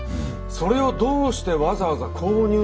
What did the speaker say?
それをどうしてわざわざ購入したのか。